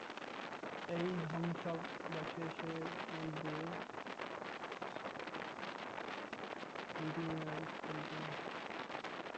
এই ধ্বংসাবশেষের মধ্যে দুইটি মিনার গুরুত্বপূর্ণ।